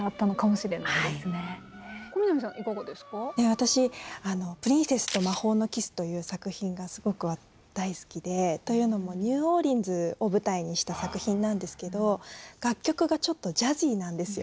私あの「プリンセスと魔法のキス」という作品がすごく大好きでというのもニューオーリンズを舞台にした作品なんですけど楽曲がちょっとジャジーなんですよ。